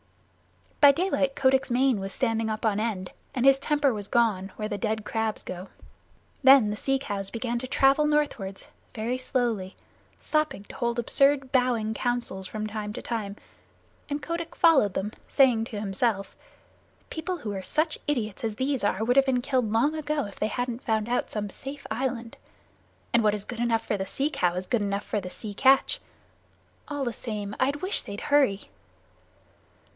By daylight Kotick's mane was standing on end and his temper was gone where the dead crabs go. Then the Sea Cow began to travel northward very slowly, stopping to hold absurd bowing councils from time to time, and Kotick followed them, saying to himself, "People who are such idiots as these are would have been killed long ago if they hadn't found out some safe island. And what is good enough for the Sea Cow is good enough for the Sea Catch. All the same, I wish they'd hurry."